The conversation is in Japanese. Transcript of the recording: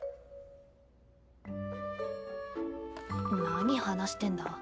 何話してんだ？